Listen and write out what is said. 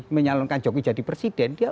menyalonkan jokowi jadi presiden dia